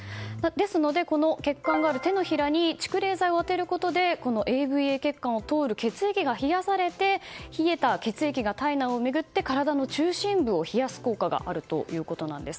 ですので、この欠陥がある手のひらに蓄冷材を当てることでＡＶＡ血管を通る血液が冷やされて冷えた血液が体内を巡って体の中心部を冷やす効果があるということなんです。